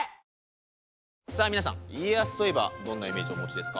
さあ皆さん家康といえばどんなイメージをお持ちですか？